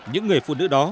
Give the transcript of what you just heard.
những người phụ nữ đó